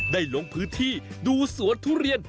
ลงพื้นที่ดูสวนทุเรียน